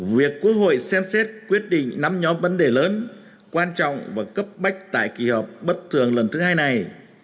việc quốc hội xem xét quyết định năm nhóm vấn đề lớn quan trọng và cấp bách tại kỳ họp bất thường lần thứ hai này